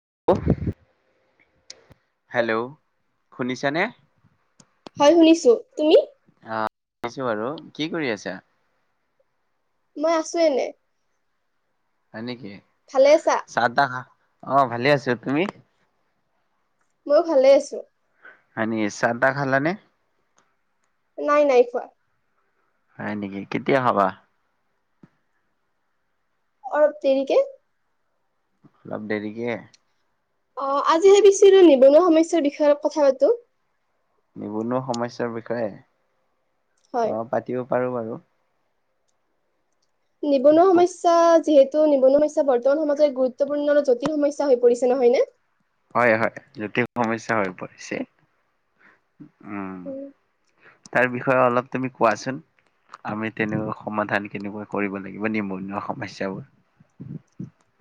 [unintelligible] Hello অ, শুনিছানে? হয়, শুনিছো তুমি? আহ, শুনিছোঁ বাৰু কি কৰি আছা? মই আছো এনে। হয় নেকি? য়ে ভালে আছা চাহ - তাহ, আহ, ভালে আছো তুমি? ময়ো ভালে আছো। হয় নি চাহ - টাহ খালানে? নাই -নাই খোৱা। হয় নেকি কেতিয়া হবা? অ দেৰীকে! অলপ দেৰিকে? অ আজি ভাবিছিলোঁ নিবনুৱা সমস্যাৰ বিষয়ে কথা পাতো। নিবনুৱা সমস্যাৰ বিষয়ে? হয় অ পাতিব পাৰু বাৰু। নিবনুৱা সমস্যা যিহেতু নিবনুৱ সমস্যা বৰ্তমান সমাজৰ গুৰুত্বপূৰ্ণ জটিল সমস্যা হৈ পৰিছে নহয় নে? হয় হয় জতিল সমস্যা হৈ পৰিছে। উম। তাৰ বিষয়ে অলপ তুমি কোৱাচোন? আমি তেনেকুৱা সমাধান কেনেকুৱা কৰিব লাগিব নিবনুৱা সমস্যাবোৰ।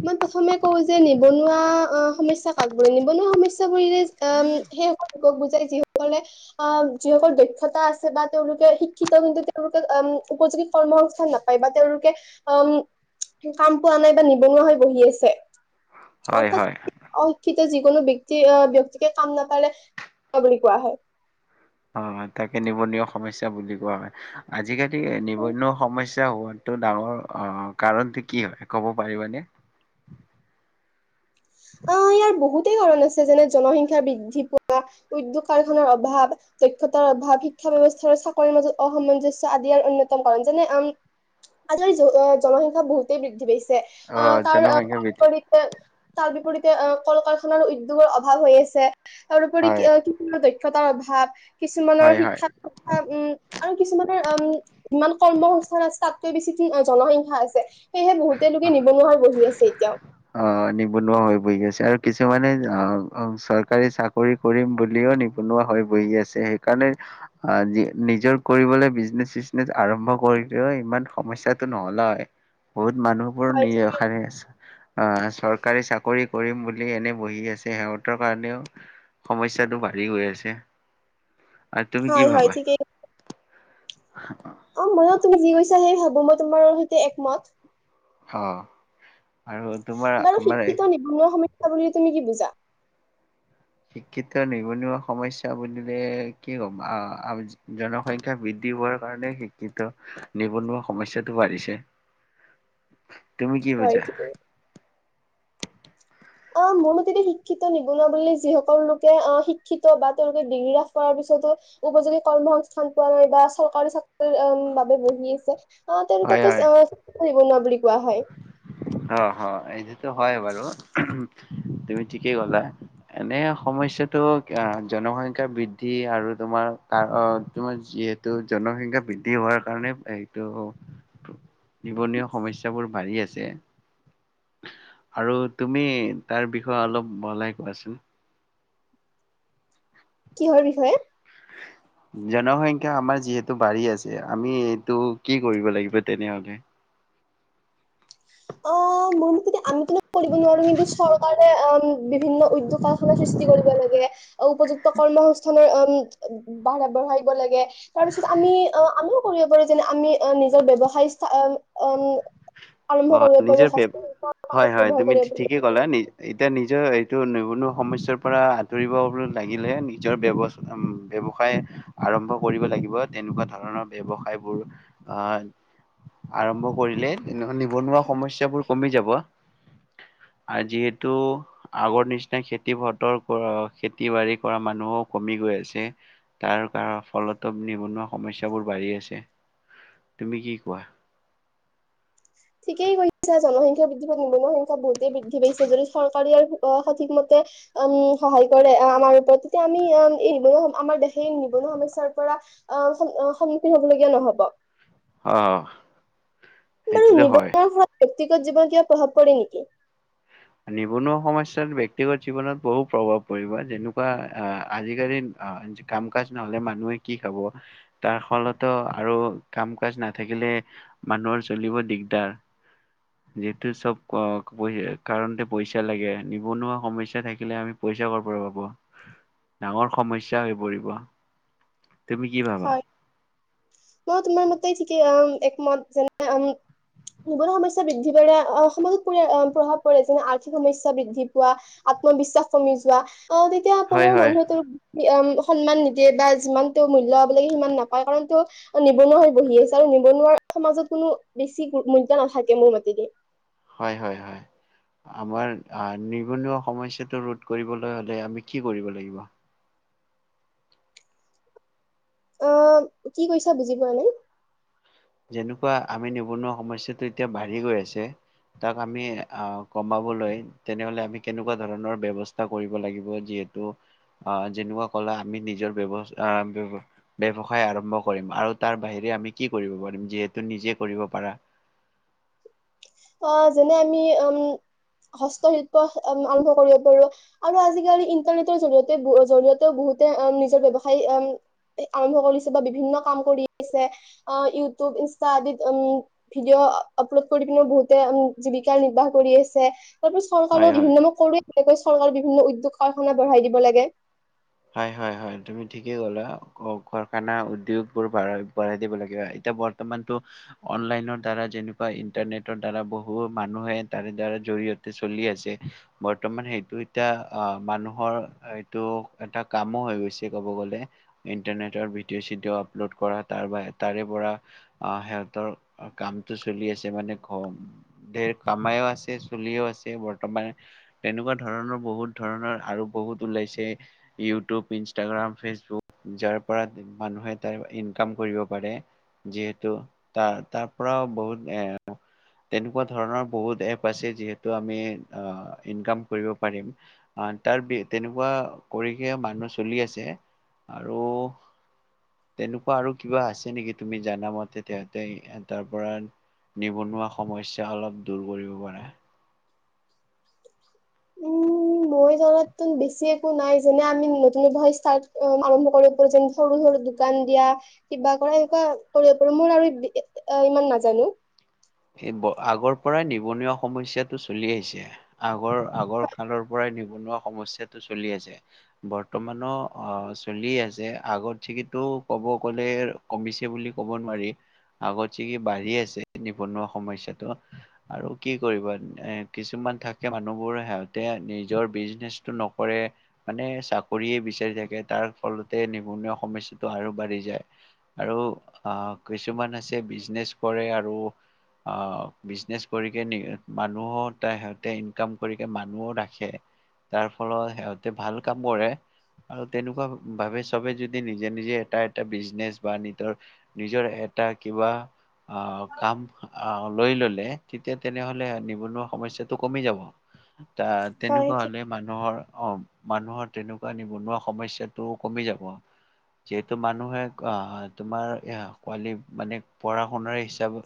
মই প্ৰথমে কওঁ যে নিবনুৱা অ সমস্যা কাকবোৰে নিবনুৱা সমস্যা [unintelligible] সেই বুজাই যিসকলে আহ যিসকল দক্ষতা আছে বা তেওঁলোকে শিক্ষিত কিন্তু তেওঁলোকে উপযোগী কৰ্মসস্থান নাপায় বা তেওঁলোকে অম কাম পোৱা নাই বা নিৱনোৱা হৈ বহি আছে। অ হয় ক হয়। অ [unintelligible] যিকোনো ব্যক্তি ব্যক্তিকে কাম নাপালে নিৱনোৱা বুলি কোৱা হয়। অ তাকে নিবনুৱা সমস্যা বুলি কোৱা হয়। আজিকালি এই নিবনুৱা সমস্যা হোৱাটো ডাঙৰ আহ কাৰণটো কি হয় ক'ব পাৰিবানে? আহ ইয়াৰ বহুতেই কাৰন আছে। যেনে জনসংখ্যা বৃদ্ধি পোৱা, উদ্যোগ কাৰখানাৰ অভাৱ, দক্ষ্যতাৰ অভাৱ, শিক্ষা ব্যৱস্থা চাকৰিৰ মাজত অসামঞ্জস্য় আদি ইয়াৰ অন্যতম কাৰণ। যেনে, আ আজি কালি জনসংখ্যা বহুতেই বৃদ্ধি পাইছে। অ' তাৰ জনসংখ্যা বৃদ্ধি কলপৰিতে তাৰ বিপৰীতে অ কল কাৰখানাৰ উদ্যোগৰ অভাৱ হৈ আছে। আৰু ওপৰিও কি হয় কি শিক্ষতাৰ অভাৱ, কিছুমানৰ হয় হয়। শিক্ষা কথা উম, আৰু কিছুমানৰ উম যিমান কৰ্মসস্থান আছে তাতে বেছি জনসংখ্যা আছে। সেয়েহে বহুতে লোকে নিবনুৱাৰ বহি আছে এতিয়াও। অ' নিবনুৱা হৈ বহি আছে। আৰু কিছুমানে আহ চৰকাৰী চাকৰি কৰিম বুলিও নিবনুৱা হৈ বহি আছে। সেইকাৰণে আহ নিজৰ কৰিবলৈ বিজনেচ চিজনেচ আৰম্ভ কৰিলেও ইমান সমস্যাটো নহ'লে হয়। বহুত মানুহবোৰ হয় ঠিকেই নিৰশাৰ আছে [unintelligible] অ চৰকাৰী চাকৰি কৰিম বুলি এনে বহি আছে সিহঁতৰ কাৰণেও সমস্যয়াটো বাঢ়ি গৈ আছে। আৰু তুমি হয় কি হয় ভাবা? ঠিকেই অ ময়ো তুমি যি কৈছাহে ভাবো। ম মই তোমাৰৰ সৈতে একমত। অ আৰু তোমাৰ বাৰু আমাৰ শিক্ষিত নিবনুৱা সমস্যা বুলিলে তুমি কি বুজা শিক্ষিত নিবনুৱা সমস্যা বুলিলে কি ক'ম আহ জনসংখ্যা বৃদ্ধি হোৱাৰ কাৰণে শিক্ষিত নিবনুৱা সমস্যটো বাঢ়িছে তুমি কি হয় বুজা ঠিক অ মোৰ মতে শিক্ষিত নিবনুৱা বুলিলে যিসকল লোকে অ শিক্ষিত বা তেওঁলোকে ডিগ্ৰী লাভ কৰাৰ পিছতো উপযোগী কৰ্মসংস্থান পোৱা নাই বা চৰকাৰী চাকৰি বাবে বহি আছে অ তেনেকোৱা হয়, কেচ হয়, অ নিবনুৱা বুলি কোৱা হয় অ হয় এইটোতো হয় বাৰু তুমি ঠিকেই কলা এনে সমস্যাটো জনসংখ্যা বৃদ্ধি আৰু তোমাৰ তোমাৰ যিহেতু জনসংখ্যা বৃদ্ধি হোৱাৰ কাৰণে এইটো নিৱনুৱা সমস্যাবোৰ বাঢ়ি আছে আৰু তুমি তাৰ বিষয়ে অলপ বহলাই কোৱাচোন কিহৰ বিষয়ে জনসংখ্যা আমাৰ যিহেতু বাঢ়ি আছে আমি টো এইটো কি কৰিব লাগিব তেনেহ'লে অ আমি আমিতোনো কৰিব নোৱাৰো কিন্তু চৰকাৰে অ বিভিন্ন উদ্যোগ কাৰখানা সৃষ্টি কৰিব লাগে উপযুক্ত কৰ্মসংস্থানৰ উম বঢ় বাহাল লাগে তাৰ পিছত আমি অ' আমিও কৰিব পাৰে যেনে আমি নিজৰ ব্যৱসায় স্থা অ অম আ অ' নিজকে হয় হয় তুমি কৰিব পাৰো ঠিকেই ক'ল নিজে এতিয়া নিজৰ এইটো নিবনুৱা সমস্যাৰ পৰা আঁতৰিব লাগিলে নিজৰ ব্য ব্যৱসায় আৰম্ভ কৰিব লাগিব। তেনেকোৱা ধৰণৰ ব্যৱসায়বোৰ আহ আৰম্ভ কৰিলে নিবনুৱা সমস্যাবোৰ কমি যাব। আ যিহেতু আগৰ নিচিনা খেতি পথৰ কৰা খেতি বাাৰি কৰা মানুহো কমি গৈ আছে তাৰ কাৰ ফলতো নিবনুৱা সমস্যাবোৰ বাঢ়ি আছে তুমি কি কোৱা? ঠিকেই কৈছা [unintelligible] বহুতেই বৃদ্ধি পাইছে, যদি চৰকাৰে ইয়াৰ অ' সঠিক মতে উম সহায় কৰে আমাৰ ওপৰত তেতিয়া আমি এই নিবনুৱা আমাৰ দেশে নিবনুৱা সমস্যাৰ পৰা আহ সন্মুখীন হব লগীয়া নহব। অ' তুমি বাৰু নিবনুৱা হয় ব্যক্তিগত জীৱন কিবা প্ৰভাৱ পৰে নেকি? নিবনুৱা সমস্যা ব্যক্তিগত জীৱনত বহু প্ৰভাৱ পৰিব। যেনেকোৱা আহ আজিকালি কাম কাজ নহলে মানুহে কি খাব তাৰ ফলতো আৰু কাম কাজ নাথাকিলে মানুহৰ চলিব দিগদাৰ। যিহেতু চব অ ক কাৰণতে পইচা লাগে, নিবনুৱা সমস্যা থাকিলে আমি পইচা ক'ৰ পৰা পাব ডাঙৰ সমস্যা হৈ পৰিব। তুমি কি ভাবা? হয় মই তোমাৰ মতেই ঠিকেই একমত, যেনে উ নিবনুৱা সমস্যা বৃদ্ধি পালে সমাজত পৰি প্ৰভাৱ পৰে, যেনে আৰ্থিক সমস্যা বৃদ্ধি পোৱা, আত্মবিশ্বাস কমি যোৱা অ' তেতিয়া হয় আপোনাৰ হয় মানুহটোৰ সন্মান নিদিয়ে বা যিমানটো মূল্য পাব লাগে সিমান নাপায়, কাৰণ তেওঁ নিবনুৱা হৈ বহি আছে আৰু নিবনুৱাৰ সমাজত কোনো বেছি মূল্য নাথাকে মোৰ মতেদি। হয় হয় হয় হয়, আমাৰ নিবনুৱা সমস্যাতো ৰোধ কৰিবলৈ হ'লে আমি কি কৰিব লাগিব? অ' কি কৈছা বুজি পোৱা নাই। যেনেকোৱা আমি নিবনুৱা সমস্যাটো এতিয়া বাঢ়ি গৈ আছে। তাক আমি আহ কমাবলৈ তেনেহলে আমি কেনেকোৱা ধৰণৰ ব্যৱস্থা কৰিব লাগিব, যিহেতু আহ যেনেকোৱা কলা আমি নিজৰ ব্যৱ আহ ব্যৱসায় আৰম্ভ কৰিম আৰু তাৰ বাহিৰে আমি কি কৰিব পাৰো, যিহেতু নিজে কৰিব পাৰা অ' যেনে আমি উম হস্তশিল্প আৰম্ভ কৰিব পাৰো আৰু আজিকালি ইন্টাৰনেটৰ জৰিয়তে জৰিয়তেও বহুতে নিজৰ ব্যৱসায় আৰম্ভ কৰিছে বা বিভিন্ন কাম কৰি আছে ইউটিউব, ইনষ্টা আদিত উম ভিডিঅ' আপলোড কৰি পিনে বহুত তে জীৱিকা নিৰ্বাহ কৰি আছে, তথাপি হয় চৰকাৰেও হয়। বিভিন্ন ধৰণৰ কৰে তেনেকৈ চৰকাৰে বিভিন্ন উদ্যোগ কাৰখানা বঢ়াই দিব লাগে। হয় হয় হয় তুমি ঠিকেই ক'লা, কল, কাৰখানা উদ্যোগ বোৰ বঢ়াই দিব লাগিব, এতিয়া বৰ্তমানটো অনলাইনৰ দ্বাৰা যেনেকুৱা ইন্টাৰনেটৰ দ্বাৰা বহু মানুহে তাৰে দ্বাৰা জৰিয়তে চলি আছে, বৰ্তমান সেইটো এতিয়া মানুহৰ এইটো এটা কামো হৈ গৈছে ক'ব গ'লে, ইণ্টাৰনেটৰ ভিডিঅ' চিডিঅ' আপলোড কৰা তাৰ বা তাৰে পৰা আহ সিহঁতৰ কামটো চলি আছে মানে ঘ ধেৰ কামাইও আছে চলিও আছে, বৰ্তমান তেনেকুৱা ধৰণৰ বহুত ধৰণৰ আৰু বহুত ওলাইছে ইউটিউব, ইনষ্টাগ্ৰাম, ফেচবুক যাৰ পৰা মানুহে তাৰ ইনকাম কৰিব পাৰে, যিহেতু তাৰ তাৰ পৰাও বহুত তেনেকুৱা ধৰণৰ বহুত এপ আছে যিহেতু আমি ইনকাম কৰিব পাৰিম, তাৰ তেনেকুৱা কৰিহে মানুহ চলি আছে, আৰু তেনেকুৱা আৰু কিবা আছে নেকি? তুমি জানামতে তেহঁতে তাৰ পৰা নিবনুৱা সমস্যা অলপ দূৰ কৰিব পৰা। উম মই জনাতটো বেছি একো নাই, যেনে আমি নতুন ষ্ট্ৰাট আৰম্ভ কৰিব পাৰো যে সৰু সৰু দোকান দিয়া কিবা কৰা এনেকুৱা কৰিব পাৰো মোৰ আৰু ইমান নাজানো। আগৰ পৰাই নিবনুৱা সমস্যটো চলি আহিছে, আগৰ আগৰ কালৰ পৰাই নিবনুৱা সমস্যাটো চলি আছে, বৰ্তমানো আহ চলি আছে, আগতচে ক'ব গ'লে কমিছে বুলি কব নোৱাৰি আগতচে বাঢ়ি আছে। নিবনুৱা সমস্যটো আৰু কি কৰিবা এ কিছুমান থাকে মানুহবোৰ সিহঁতে নিজৰ বিজনেচটো নকৰে। মানে চাকৰিয়ে বিচাৰি থাকে তাৰ ফলতে নিবনুৱা সমস্যটো আৰু বাঢ়ি যায়। আৰু আহ কিছুমান আছে বিজনেচ কৰে, আৰু আহ বিজনেছ কৰি কিনে মানুহো ত সিহঁতে ইনকাম কৰি মানুহও ৰাখে, তাৰ ফলত সিহঁতে ভাল কাম কৰে আৰু তেনেকুৱা ভাৱে চবে যদি নিজে নিজে এটা এটা বিজনেচ বা নিজৰ নিজৰ এটা কিবা আহ কাম আহ লৈ ললে তেতিয়া তেনেহলে নিবনুৱা সমস্যাটো কমি যাব। ত হয় ঠিক তেনেকুৱা হলে মানুহৰ অ মানুহৰ তেনেকুৱা নিবনুৱা সমস্যাটোও কমি যাব। যিহেতু মানুহে আহ তোমাৰ কোৱালি মানে পঢ়া শুনাৰ হিচাপে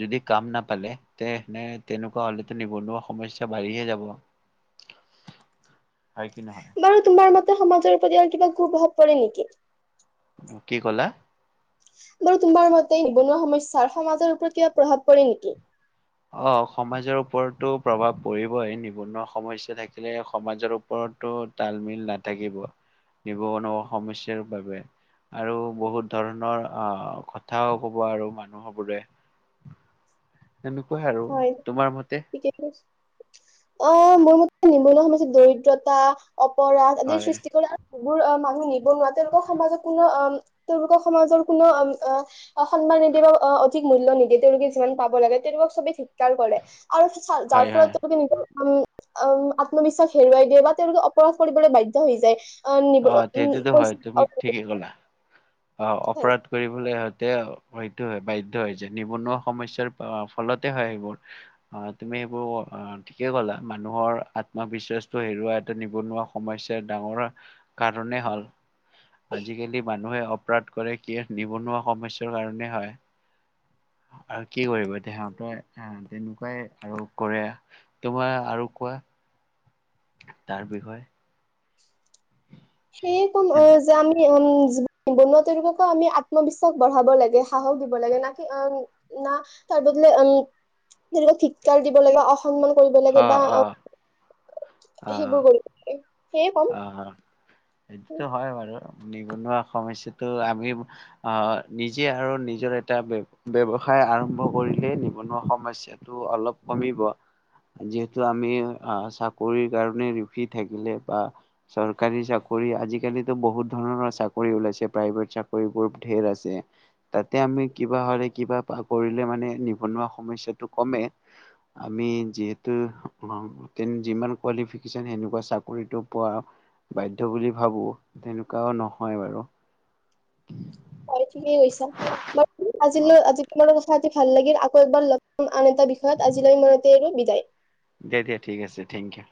যদি কাম নাপালে তে নে তেনেকুৱা হলে নিবনুৱা সমস্যা বাঢ়িহে যাব। হয় কি নহয় বাৰু তোমাৰ মতে সমাজৰ প্ৰতি কিবা কু প্ৰভাৱ পৰে নেকি? কি ক'লা? বাৰু তোমাৰ মতে নিবনুৱা সমস্যাৰ সমাজৰ ওপৰত কিবা প্ৰভাৱ পৰে নেকি? আহ সমাজৰ ওপৰতো প্ৰভাৱ পৰিবই, নিবনুৱা সমস্যা থাকিলে সমাজৰ ওপৰতো তালমিল নাথাকিব। নিবনুৱা সমস্যাৰ বাবে, আৰু বহুত ধৰণৰ আহ কথাও ক'ব আৰু মানুহবোৰে। এনেকুৱাই আৰু। হয় তোমাৰ মতে? ঠিকে কৈছে। অ মোৰ মতে নিবনুৱা সমস্যাই দৰিদ্ৰতা অপৰাধ আদিৰ হয় সৃষ্টি কৰে। বোৰ মানুহ নিবনোৱাৰা তেওঁলোকৰ সমাজক কোনো অ তেওঁলোকৰ সমাজৰ কোনোম সন্মান নিদিয়ে বা অ অধিক মূলয় নিদিয়ে, তেওঁলোকে যিমান পাব লাগে, তেওঁওলোকক চবে ধিকাৰ কৰে। আৰু যাৰ হয় হয় ফলত কি [unintelligible] ম উম আত্মবিশ্বাস হেৰুৱাই দিয়ে, বা তেওঁলোকে অপৰাধ কৰিবলৈ বাধ্য হৈ যায়। অ নিবনোৱা পইচা অ অপৰাধ কৰিবলৈ সতে হয়তো হয় বাধ্যয় হৈ যায়। নিবনুৱা সমস্যাৰ ফলতে হয় সেইবোৰ। আহ তুমি সেইবোৰ আহ ঠিকেই কলা, মানুহৰ আত্মবিশ্বাসটো হেৰুৱা এটা নিবনুৱা সমস্যাৰ ডাঙৰ কাৰনেই হ'ল। আজি কালি মানুহে- অপৰাধ কৰে কি নিবনুৱা সমস্যয়াৰ কাৰণে হয়। আৰু কি কৰিবা এতিয়া সিহতেই আহ তেনেকুৱাই আৰু কৰে, তোমাৰ আৰু কোৱা। তাৰ বিষয়ে। উ [inaudible] সেই কন এনে। যাম হি অ। উম নিবনুৱা তেওঁলোকক আমি আত্মবিশ্বাস বঢ়াব লাগে সাহস দিব লাগে ন কি, অ না তাৰ বদলে উম তেওঁলোকক ধিক্কাৰ দিব লাগে সম্মান কৰিব লাগে বা অ অ সেই [unintelligible] অ এইটোতো হয় বাৰু নিবনুৱা সমস্যয়াটো আমি আহ নিজে আৰু নিজৰ এটা ব ব্যৱসায় আৰম্ভ কৰিলে নিবনুৱা সমস্যাটো অলপ কমিব যিহেতু আমি আহ চাকৰিৰ কাৰণে ৰিফি থাকিলে বা চৰকাৰী চাকৰি আজিকালি ত বহুত ধৰণৰ চাকৰি ওলাইছে প্ৰাইভেট চাকৰিবোৰ ধেৰ আছে তাতে আমি কিবা হলে কিবা কৰিলে মানে নিবনুৱা সমস্যয়াটো কমে, আমি যিহেতু যিমান কুৱালিফিকেচন চাকৰিটো পোৱা বাধ্য বুলি ভাবো তেনেকুৱাও নহয় বাৰু। হয় ঠিকেই কৈছা ব অ'। আজিলৈ আজি তোমা পাতি ভাল লাগিল আকৌ এবাৰ আন এটা বিষয়ত আজিলৈ ইমানতে বিদায়। দে দিয়া ঠিক আছে থেংক ইউ।